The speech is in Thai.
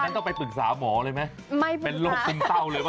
วันนั้นต้องไปปรึกษาหมอเลยมั้ยไม่ปรึกษาเป็นโรคซึมเศร้าเลยปะ